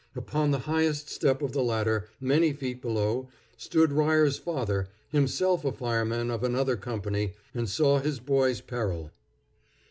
Upon the highest step of the ladder, many feet below, stood Ryer's father, himself a fireman of another company, and saw his boy's peril.